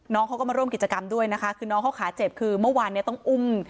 น้องเขาก็มาร่วมกิจกรรมด้วยนะคะคือน้องเขาขาเจ็บคือเมื่อวานเนี่ยต้องอุ้ม